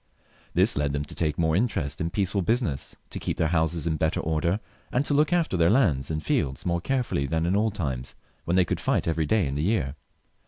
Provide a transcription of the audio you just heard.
This led them to take more interest in peaceful busi ness, to keep their houses in better order, and to look after their lands and fields more carefully than in old times, when they could fight every day in the year.